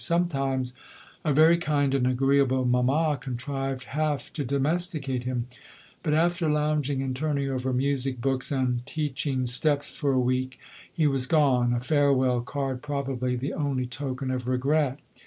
Sometimes a very kind and agreeable mamma contrived half to domesticate him ; but after lounging, and turning over music books, and teaching steps for a week, he was gone — a ^ farewell card probably the only token of regret.